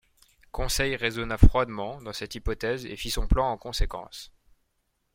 Conseil raisonna froidement dans cette hypothèse et fit son plan en conséquence.